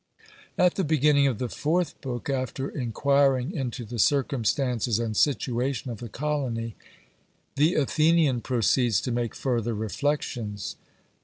At the beginning of the fourth book, after enquiring into the circumstances and situation of the colony, the Athenian proceeds to make further reflections.